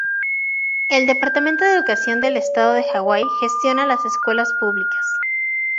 El Departamento de Educación del Estado de Hawái gestiona las escuelas públicas.